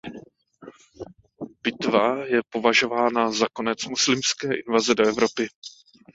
Bitva je považována za konec muslimské invaze do Evropy.